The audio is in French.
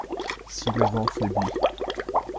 Si le vent faiblit.